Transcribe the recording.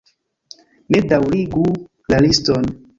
Ne daŭrigu la liston!